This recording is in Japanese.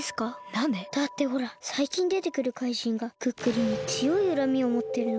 なんで？だってほらさいきんでてくるかいじんがクックルンにつよいうらみをもってるのって。